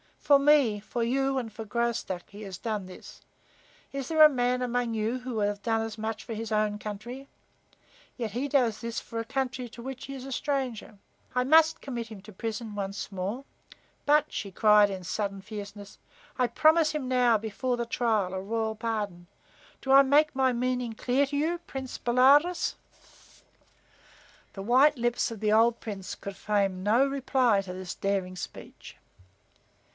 For me, for you and for Graustark he has done this. Is there a man among you who would have done as much for his own country? Yet he does this for a country to which he is stranger. I must commit him to prison once more. But," she cried in sudden fierceness, "I promise him now, before the trial, a royal pardon. Do I make my meaning clear to you, Prince Bolaroz?" The white lips of the old Prince could frame no reply to this daring speech.